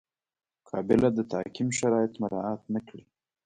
قابله د تعقیم شرایط مراعات نه کړي.